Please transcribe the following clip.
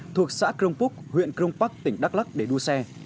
thuộc xã crong phúc huyện crong park tỉnh đắk lắc để đua xe